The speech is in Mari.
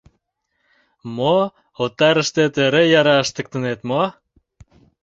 Мо, отарыштет эре яра ыштыктынет мо?